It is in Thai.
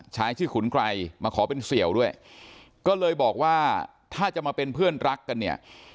ชายชื่อขุนไกรมาขอเป็นเสี่ยวด้วยก็เลยบอกว่าถ้าจะมาเป็นเพื่อนรักกันเนี่ย